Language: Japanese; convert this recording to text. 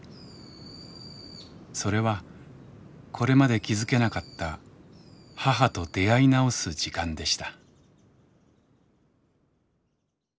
それはこれまで気付けなかった母と出会い直す時間でした。